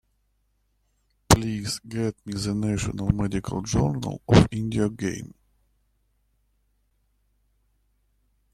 Please get me The National Medical Journal of India game.